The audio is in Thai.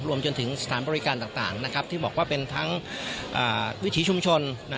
รวมถึงสถานบริการต่างที่บอกว่าเป็นทั้งวิถีชุมชน